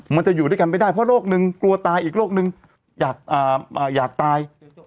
มันจะอยู่ด้วยกันไม่ได้เพราะโรคนึงกลัวตายอีกโรคนึงอยากตาย